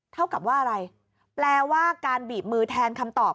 เท่ากับว่าอะไรแปลว่าการบีบมือแทนคำตอบ